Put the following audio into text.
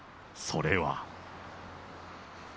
それは。